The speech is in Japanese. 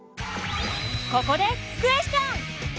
ここでクエスチョン！